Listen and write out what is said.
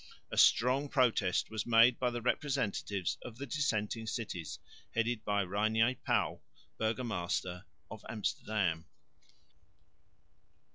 A strong protest was made by the representatives of the dissenting cities headed by Reinier Pauw, burgomaster of Amsterdam.